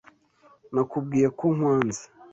Nakubwiye ko nkwanze?